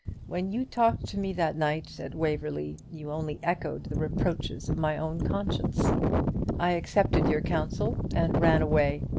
When you talked to me that night at Waverly, you only echoed the reproaches of my own conscience. I accepted your counsel, and ran away.